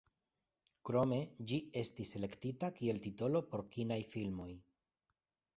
Krome ĝi estis elektita kiel titolo por kinaj filmoj.